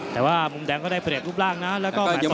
แต่ว่ามุมแดงก็ได้เปลี่ยนรูปร่างนะแล้วก็แผนสดขึ้นมา